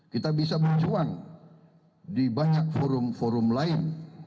kita bisa berjuang di banyak forum forum lain